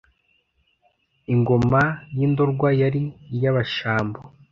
Ingoma y’Indorwa yari iy’Abashambo